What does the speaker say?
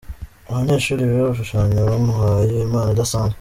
Abanyeshuri biga gushushanya bamuhaye impano idasanzwe .